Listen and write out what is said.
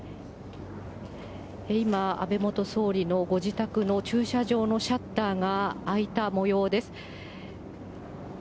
今、安倍元総理のご自宅の駐車場のシャッターが開いたもようです。